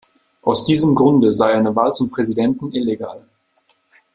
Aus diesem Grunde sei seine Wahl zum Präsidenten illegal.